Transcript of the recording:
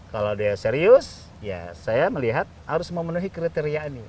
kalau dia serius ya saya melihat harus memenuhi kriteria ini